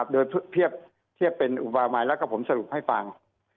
โดยเทียบเป็นอุบามายแล้วก็ผมสรุปให้ฟัง